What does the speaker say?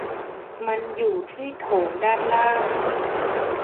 มันอยู่ที่โถงด้านล่าง